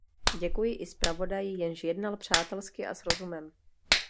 Děkuji i zpravodaji, jenž jednal přátelsky a s rozumem.